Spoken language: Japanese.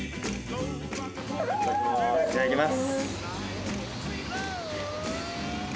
いただきます。